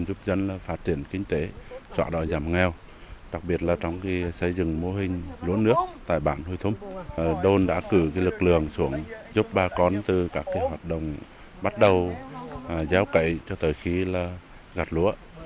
bà con từ các hoạt động bắt đầu giáo cậy cho tới khi gạt lúa